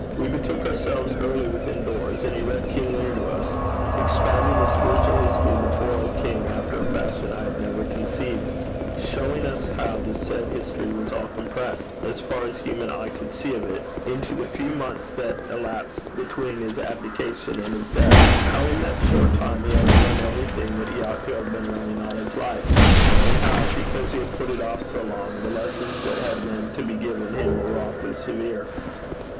We betook ourselves early within doors, and he read King Lear to us, expounding the spiritual history of the poor old king after a fashion I had never conceived showing us how the said history was all compressed, as far as human eye could see of it, into the few months that elapsed between his abdication and his death; how in that short time he had to learn everything that he ought to have been learning all his life; and how, because he had put it off so long, the lessons that had then to be given him were awfully severe.